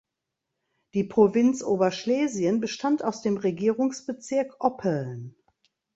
Die Provinz Oberschlesien bestand aus dem Regierungsbezirk Oppeln.